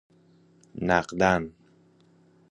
نقدا ً